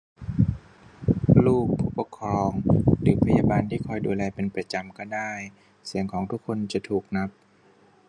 ลูก ผู้ปกครอง หรือพยาบาลที่คอยดูแลเป็นประจำก็ได้ - เสียงของทุกคนจะถูกนับ